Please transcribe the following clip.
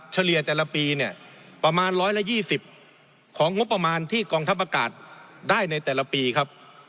เฉลี่ยแต่ละปีเนี่ยประมาณ๑๒๐ของงบประมาณที่กองทัพอากาศได้ในแต่ละปีครับ